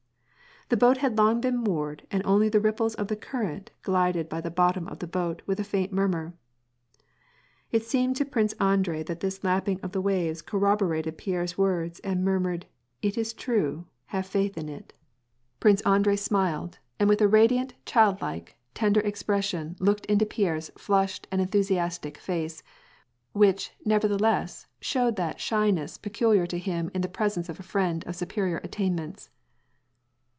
The boat had long heexx moored, and only the ripples of the current glided by the bottom of the boat with a faint murmur. It seemed to l*rince Andrei that this lapping of the waves corroborated Pierre's words and mur mured :" It is true : have faith in it !" WAR AND PBACS, 119 Prince Andrei smiled, and with a radiant, childlike, tender expression looked into Pierre's flushed and enthusiastic face, which, nevertheless, showed that shyness peculiar to him in the presence of a friend of superior attainments.